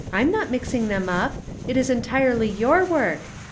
"I'm not mixing them up. It is entirely your work.